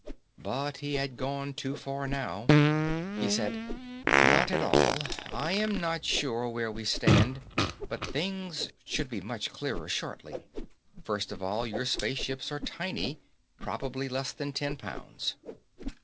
But he had gone too far now. He said, "Not at all. I am not sure of where we stand, but things should be much clearer, shortly. First of all, your spaceships are tiny. Probably less than ten pounds."